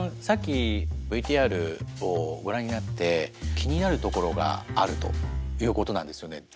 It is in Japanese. さっきＶＴＲをご覧になって気になるところがあるということなんですよね。